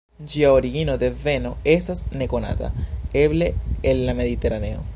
Ĝia origino, deveno estas nekonata, eble el la Mediteraneo.